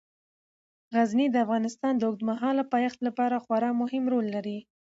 غزني د افغانستان د اوږدمهاله پایښت لپاره خورا مهم رول لري.